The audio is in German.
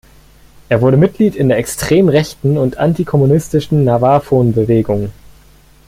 Er wurde Mitglied in der extrem rechten und antikommunistischen Nawaphon-Bewegung.